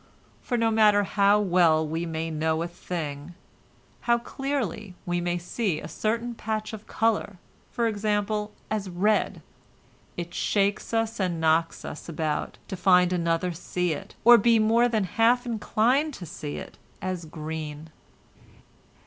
For no matter how well we may know a thing—how clearly we may see a certain patch of colour, for example, as red, it shakes us and knocks us about to find another see it, or be more than half inclined to see it, as green.